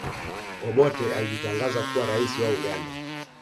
obote alijitangaza kuwa raisi wa uganda